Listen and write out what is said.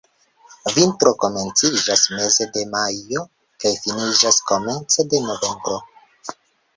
Vintro komenciĝas meze de majo kaj finiĝas komence de novembro.